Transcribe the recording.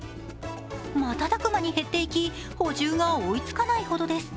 瞬く間に減っていき、補充が追いつかないほどです。